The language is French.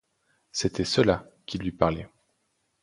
C'était cela qui lui parlait.